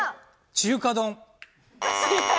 中華丼。